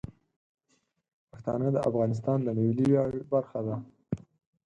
پښتانه د افغانستان د ملي ویاړ برخه دي.